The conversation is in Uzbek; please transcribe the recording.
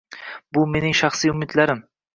Bu mening shaxsiy umidlarim